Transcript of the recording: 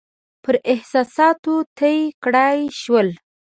پر احساساتو طی کړای شول.